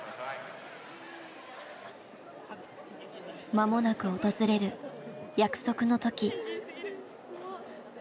間もなく訪れる約束の時。